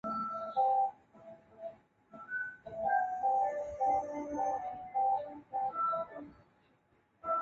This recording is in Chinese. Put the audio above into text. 乐园郡是朝鲜民主主义人民共和国咸镜南道南部的一个郡。